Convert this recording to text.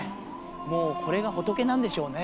もうこれが仏なんでしょうね